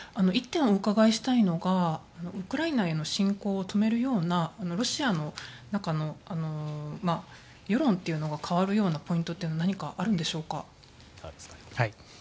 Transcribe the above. １点お伺いしたいのがウクライナへの侵攻を止めるようなロシアの中の世論というのが変わるようなポイントというのは何かあるんでしょうか。